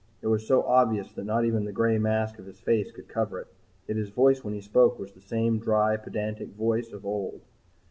It was so obvious that not even the gray mask of his face could cover it. Yet his voice when he spoke was the same dry, pedantic voice of old.